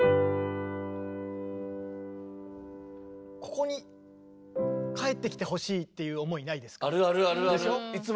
ここにかえってきてほしいっていう思いないですか？